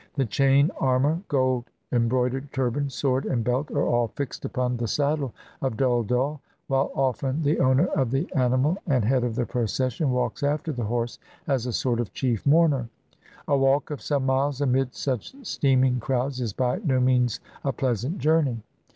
The chain armor, gold em broidered turban, sword, and belt, are all fixed upon the saddle of Dhull dhull; while often the owner of the ani mal and head of the procession walks after the horse as a sort of chief mourner. A walk of some miles amid such steaming crowds is by no means a pleasant journey.